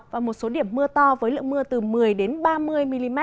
và một số điểm mưa to với lượng mưa từ một mươi ba mươi mm